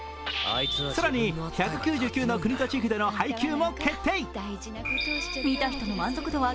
更に１９９の国と地域での配給も決定